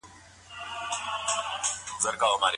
د بانګي سيستم له لاري پس اندازونه راټوليږي.